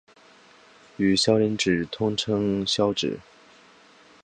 与鞘磷脂通称鞘脂。